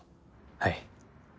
はい。